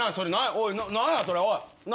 おい何やそれおい！